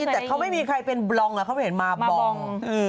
แต่เขาไม่มีใครเป็นบล็อกเขาเห็นมาบอง